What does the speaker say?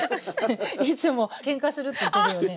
いつもけんかするって言ってるよね？